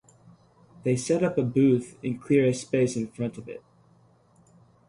They set up a booth and clear a space in front of it.